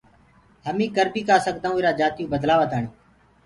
اب ڪر بيٚ ڪآ سگدآئونٚ هميٚنٚ ايٚرآ جاتيٚئو بدلآوآتآڻيٚ